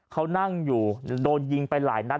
เขานั่งอยู่โดนยิงไปหลายนัด